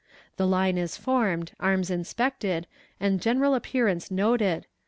The line is formed, arms inspected, and general appearance noted.